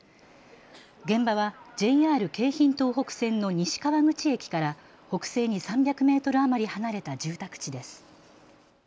現場はＪＲ京浜東北線の西川口駅から北西に３００メートル余り離れた住宅地です。